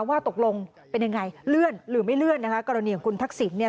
ว่าตกลงเป็นยังไงเลื่อนหรือไม่เลื่อนนะคะกรณีของคุณทักษิณเนี่ย